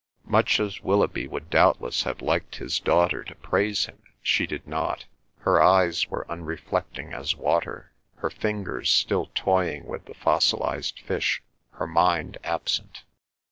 Much as Willoughby would doubtless have liked his daughter to praise him she did not; her eyes were unreflecting as water, her fingers still toying with the fossilised fish, her mind absent.